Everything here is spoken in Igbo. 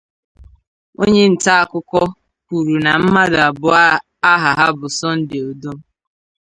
Onye ntaakụkọ kwuru na mmadụ abụọ aha ha bụ Sunday Odom